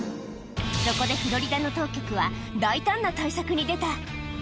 そこでフロリダの当局は、大胆な対策に出た。